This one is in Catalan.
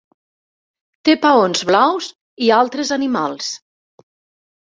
Té paons blaus i altres animals.